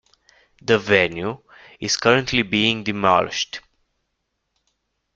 The venue is currently being demolished.